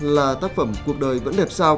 là tác phẩm cuộc đời vẫn đẹp sao